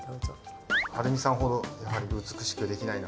はるみさんほどやはり美しくできないな。